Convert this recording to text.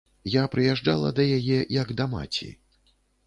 Я прыязджала да яе як да маці.